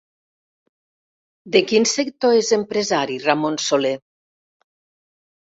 De quin sector és empresari Ramon Soler?